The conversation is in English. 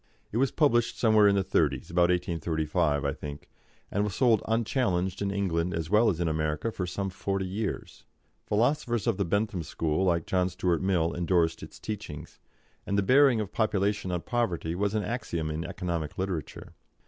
It was published somewhere in the Thirties about 1835, I think and was sold unchallenged in England as well as in America for some forty years. Philosophers of the Bentham school, like John Stuart Mill, endorsed its teachings, and the bearing of population on poverty was an axiom in economic literature.